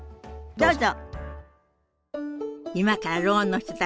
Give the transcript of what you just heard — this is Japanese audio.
どうぞ。